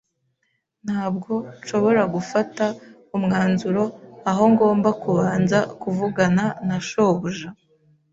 Ntabwo nshobora gufata umwanzuro aho ngomba kubanza kuvugana na shobuja